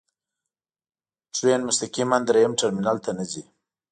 ټرین مستقیماً درېیم ټرمینل ته نه ځي.